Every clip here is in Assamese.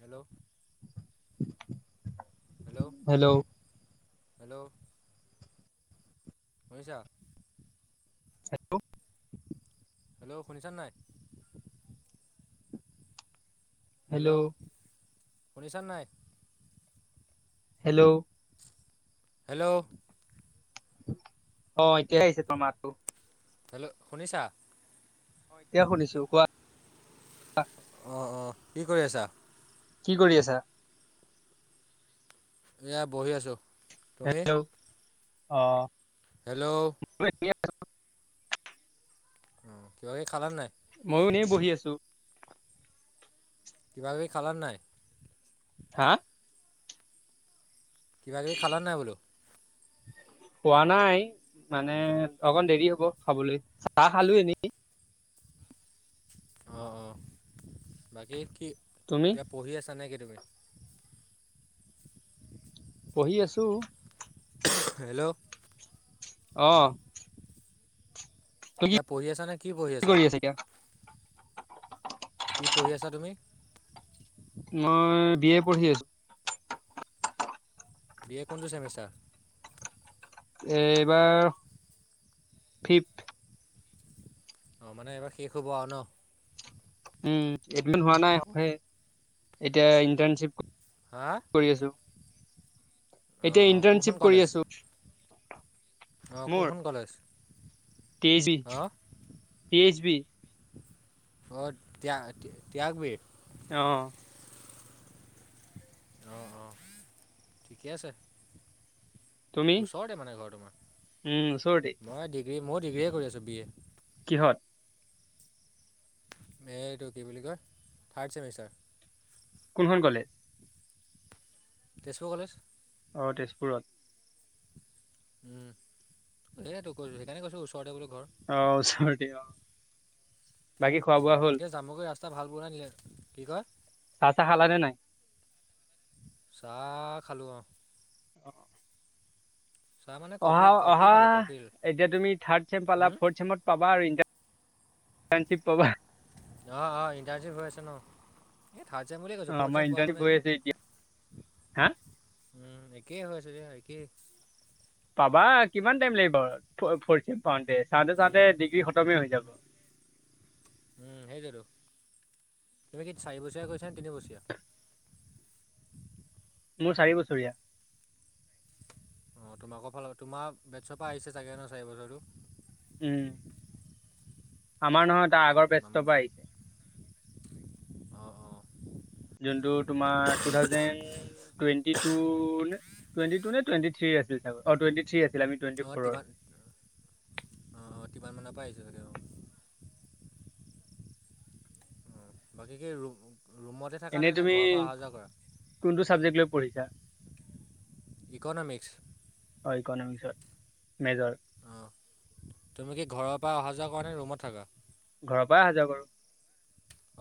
Hello, hello. হেল্ল'। শুনিছা? হেল্ল'। হেল্ল' শুনিছা নাই? হেল্ল', শুনিছা নাই? হেল্ল'। হেল্ল'। অ' এতিয়াহে আহিছে তোৰ মাতটো। হেল্ল', শুনিছা? এতিয়া শুনিছো কোৱা। অ' অ' কি কৰি আছা? কি কৰি আছা? এয়া বহি আছো। হেল্ল', অ'। হেল্ল'। উম কিবা কিবি খালা নে নাই? ময়ো এনেই বহি আছো। কিবা কিবি খালা নে নাই? হা? কিবা কিবি খালা নাই বোলো? খোৱা নাই, মানে অকণ দেৰি হ'ব খাবলৈ, চাহ খালো এনেই। অ' অ' বাকী কি তুমি? এতিয়া পঢ়ি আছা নেকি তুমি? পঢ়ি আছো। হেল্ল'। অ'। তুমি কিবা পঢ়ি আছা নে, কি পঢ়ি আছা? কি পঢ়ি আছা তুমি? মই বি এ পঢ়ি আছো। বি এ কোনটো ছেমিষ্টাৰ? এ এইবাৰ ফিফ। অঁ মানে এইবাৰ শেষ হ'ব আৰু ন। উম এডমি হোৱা নাই এতিয়া ইণ্টাৰ্বিপ। হা। কৰি আছো। অঁ এতিয়া অঁ কোন ইন্টাৰ্ণশ্বিপ খন কৰি কলেজ আছো অঁ কোন মোৰ খন কলেজ? টি যি পি ইহ বি। অ ত ত্যাগ বি। অ। অঁ অঁ ঠিকে আছে। তুমি ওচৰতে মানে ঘৰ তোমাৰ উম ওচৰতে মই ডিগ্ৰী মই ডিগ্ৰি কৰি আছো বি এ। কিহত। এই এইটো কি বুলি কয় থাৰ্ড চেমিষ্টাৰ। কোনখন কলেজ। তেজপুৰ কলেজ। অ তেজপুৰত। উম দেই দে তই কৈছো সেইকাৰণে কৈছো ওচৰতে বোলেো ঘৰ। অ ওচৰতে অ বাকী খোৱা বোৱা হল। জামোগৈ ৰাস্তা ভাল ব নিলে কি কয়। চা চা খালে নে নাই। চাহ খালো অ। অ। চাহ মানে কফি অহা কফি অহা খালোঁ কফি এতিয়া তুমি থাৰ্ড চেম পালা ফৰ্থ চেমত। পাবা আৰু ইাৰ ইণ্টাৰ্ণশ্বিপ পাবা। অঁ অঁ ইণ্টাৰশিপ হৈ আছে ন এই থাৰ্ড চেমিষ্টাৰ অ কৈছোঁ ফ'ৰ্থ আমাৰ চেম প ক ইণ্টাৰ্ণশ্বিপ নাই এ হৈ য়ে। আছে এতিয়া। হা উম একেই হৈ চাগে একেই। পাবা কিমান টাইম লাগিব ফ পাওঁতে চাওঁতে উম চাওঁতে ডিগ্ৰী খতমে হৈ যাব। উম সেইটোো তুমি কি চাৰি বছৰীয়া কৈছাে তিনিবছৰীয়া। মোৰ চাৰি বছৰীয়া। অ তোমাক ফাল তোমাৰ বেড চৰ ৰ চপা আহিছে চাগে ন চাৰি বছৰটো। উম আমাৰ নহয় তাৰ আগৰ বেদ চৰ পৰা আহিছে। অ অ। যোনটো তোমাৰ টু থাউজেণ্ড। টুৱেটি তো নে টুৱেটি থ আছিল অটুৱেটি থ্ৰী আছিল। আমি টুৱেণ্টি অ ফ'ৰৰ। তিমান। অঁ অঁ তিমান মানৰ পৰা আহিছে চাগে অঁ। অ বাকী কি ৰুমতে থাকা এনেই নে তুমি ঘৰৰ পৰা অহা যোৱা কৰা। কোনটো ছাবজেক্ট লৈ পঢ়ি ছা। ইকনমিকস। অ ইকনমিকসৰ মেজৰ। অঁ তুমি কি ঘৰৰ পৰা অহা যোৱা কৰা নে ৰুমত থাকা। ঘৰৰ পৰাই অহা যোৱা কৰো।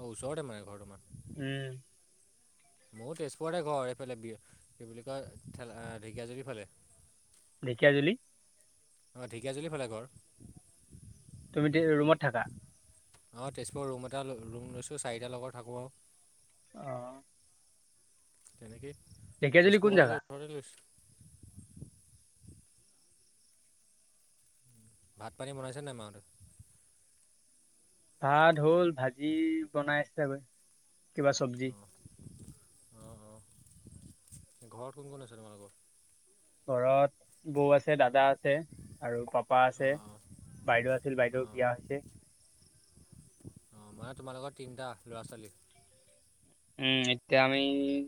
ওচৰতে মানে ঘৰ মানে। উম। ময়ো তেজপুৰতে ঘৰ এইফালে কি বুলি কয় ঢেকীয়াজুৰফালে। ঢেঁকীয়া জুলি। অঁ ঢেকীয়াজুলিৰ ফালে ঘৰ তুমি ৰুমত থাকা। অঁ তেজপুৰৰ ৰুম এটা ৰুম লৈছোঁ চাৰিটা লগত থাকোঁ আৰু- অ, তেনেকে ঢেকীয়াজুলি কোন তেজপুৰ জেগা? কলেজৰ ওচৰতে লৈছো। ভাত পানী বনাইছে নাই মাহঁতে, ভাত হ'ল ভাজি বনাইছেগৈ কিবা চবজি। অঁ অঁ ঘৰত কোন কোন আছে তোমালোকৰ? ঘৰত- বৌ আছে দাদা আছে আৰু পাপা আছে অঁ অঁ বাইদেউ আছিল বাইদেউ বিয়া হৈছে। অ মানে তোমাৰলোকৰ তিনটা ল'ৰা- ছোৱালী। উম এতিয়া আমি-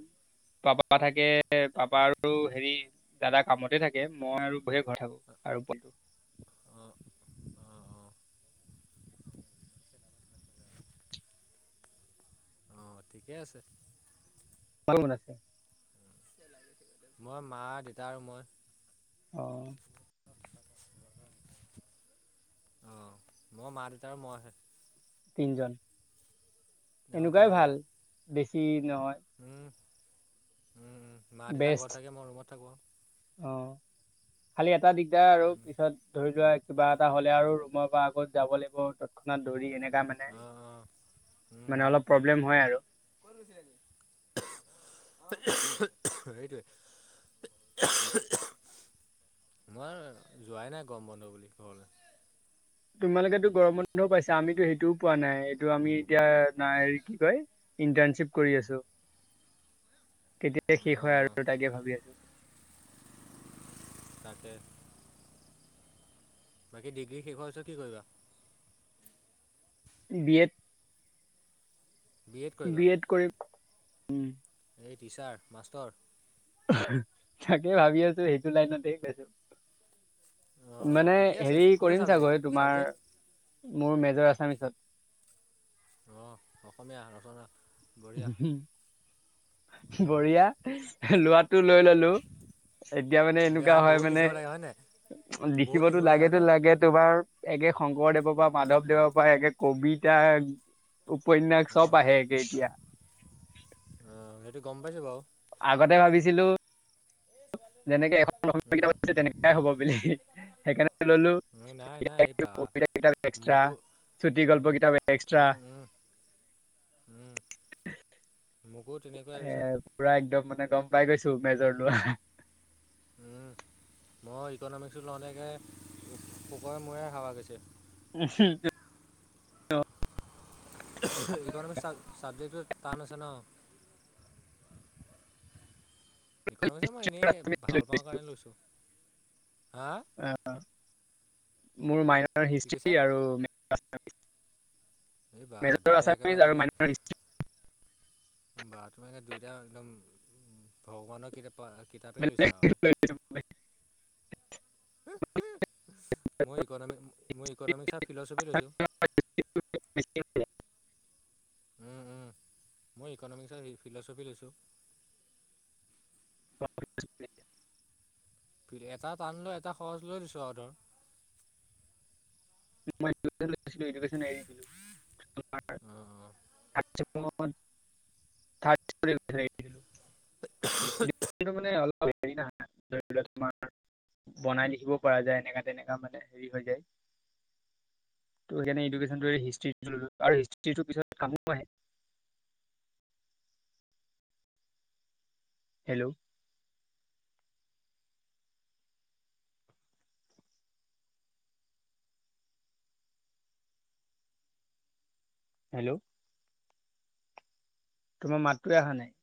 পাপা থাকে পাপা আৰু হেৰি দাদা কামতে থাকে মই আৰু বহে ঘৰ থাকো। আৰু বো- অ, অ ঠিকে আছে। ভাল মন আছে। মই মা দেউতা আৰু মই। অ, আহ মই মা-দেউতা আৰু মইহে তিনজন অঁ এনেকুৱাই তিনিজনে ভাল বেছি নহয়। মা- দেউতা ঘৰত বেষ্ট। থাকে মই ৰুমত থাকো। অ খালি এটা দিগদাৰ আৰু পিছত ধৰি লোৱা। কিবা এটা হ'লে আৰু ৰুমৰ পৰা আগত যাব লাগিব। খাত দৌৰি এনেকা মানে আৰু অঁ অঁ মানে অলপ প্ৰব্লেম হয় আৰু- [unintelligible] সেইটোৱেই- মই যোৱাই নাই গম বন্ধু বুলি ক'বলৈ। তোমালোকেতো গৰম মানুহো পাইছা আমিতো সেইটোও পোৱা নাই এইটো আমি এতিয়া ন হেৰি কি কয়। ইণ্টাৰ্ণশ্বিপ কৰি আছো কেতিয়াই শেষ হয় অঁ আৰু তাকে ভাবি আছো। তাকে বাকী ডিগ্ৰী শেষ হোৱা পিছত কি কৰিবা? বি এড- বি এড কৰিম। এই টিচাৰ মাষ্টৰ। তাকে ভাবি আছো সেইটো লাইনতে গৈছো। অঁ অঁ মানে ঠিকেই আছে হেৰি কোনটো কৰিম ছাবজেক্ট চাগৈ এই তোমাৰ ছাবজেক্ট মোৰ মেজৰ আছামিচত- আহ অসমীয়া ৰচনা- বঢ়িয়া বঢিয়া লোৱা। টো লৈ ললো এতিয়া মানে এনেকুৱা হয় মানে- হয় নাই। লিখিবতো লাগেতো লাগে তোমাৰ। একে শংকৰদেৱৰ পৰা মাধৱদেৱৰ পৰা একে কবিতা- উপন্যাস চপ আহে গ এতিয়া- অ সেইটো গম পাইছো বাৰু। আগতে ভাবিছিলোঁ যেনেকে এখন উম [unintelligible] তেনেকাই হব বুলি সেইকাৰণে ললোঁ। উম নাই নাই এই [unintelligible] বা কবিতাকেইটাও এক্সট্ৰা, মোকো উম, চুটিগল্পকেইটাও এক্সট্ৰা উম, [unintelligible] উম, উম। মোকো তেনেকুৱা এ আহিছে [unintelligible] পুৰা একদম মানে গম পাই গৈছো মেজৰ লোৱা [unintelligible] উম। মই ইকনমিক্স ল‌ওঁতে একে পুকৰে মূৰে হাৱা গৈছে [unintelligible] উমু [unintelligible] [unintelligible] ইকনমিক্স চাব-চাবজেক্টটো টান আছে ন? ইকনমিক্সে মই এনেই ভাল পাওঁ কাৰণে [unintelligible] লৈছোঁ হা অঁ। মোৰ মাইনৰ কি হিষ্ট্ৰ্ৰী কৈছা আৰু [unintelligible] এই বা মেজৰ দুয়োটাই একেবাৰে আছামিজ আৰু মাইনৰ হিষ্ট্ৰী। বাহ তোমাৰ এ দুইটা একদম ভগৱানৰ কিপা [unintelligible] ব [unintelligible] [unintelligible] মই ইকনমিক্স, মই ইকনমিক্স আৰু ফিলচফি লৈছোঁ। উ [unintelligible] নিশ্চয় [unintelligible] উম-উম, মই ইকনমিক্স আৰু ফিলচফি লৈছোঁ। এটা টান লৈ এটা সহজ লৈ দিছো আৰু ধৰ [unintelligible] মই এডুকেশ্বন লৈছিলোঁ। এডুকেশ্বন এৰি দিলোঁ তোমাৰ [unintelligible] অ, অ। থ্ৰাড চেমত [unintelligible] [unintelligible] এডুকেশ্যনটো মানে অলপ হেৰি ন [unintelligible] ধৰি লোৱা তোমাৰ বনাই লিখিব পৰা যায়। এনেকা-তেনেকা মানে হেৰি হৈ যায়। [unintelligible] ত সেইকাৰণে এডুকেশ্বনটো এৰি, হিষ্ট্ৰীটো ললো। হিষ্ট্ৰীটো পিছত কামো আহে। [unintelligible] Hello [unintelligible] hello. তোমাৰ মাতটোৱেই অহা নাই? [unintelligible]